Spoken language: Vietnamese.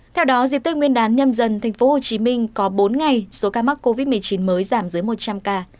trong dịp tiết nguyên đán nhâm dần tp hcm có bốn ngày số ca mắc covid một mươi chín mới giảm dưới một trăm linh ca